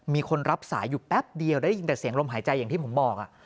มีคนรับสายอยู่แป๊บเดียวได้ยินแต่เสียงลมหายใจอย่างที่ผมบอก